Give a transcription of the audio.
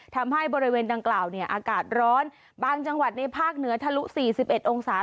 ทำให้บริเวณดังกล่าวเนี่ยอากาศร้อนบางจังหวัดในภาคเหนือทะลุ๔๑องศา